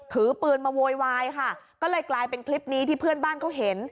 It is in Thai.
ถือปืนมาโวยวายค่ะก็เลยกลายเป็นคลิปนี้ที่เพื่อนบ้านเขาเห็น